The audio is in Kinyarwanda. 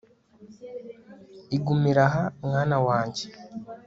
igumire aha, mwana wanjye